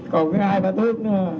còn có hai ba thước nữa